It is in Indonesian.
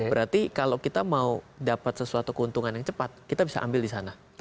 berarti kalau kita mau dapat sesuatu keuntungan yang cepat kita bisa ambil di sana